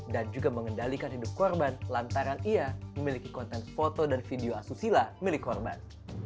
dan juga mengendalikan hidup korban lantaran ia memiliki konten foto dan video asusila milik korban